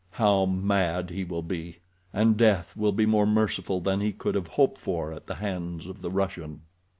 How mad he will be! And death will be more merciful than he could have hoped for at the hands of the Russian.